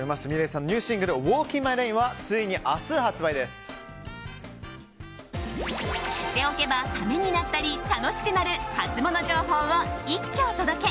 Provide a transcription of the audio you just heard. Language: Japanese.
ｍｉｌｅｔさんのニューシングル「Ｗａｌｋｉｎ’ＩｎＭｙＬａｎｅ」は知っておけばためになったり楽しくなるハツモノ情報を一挙お届け。